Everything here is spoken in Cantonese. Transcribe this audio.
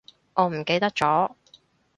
我唔記得咗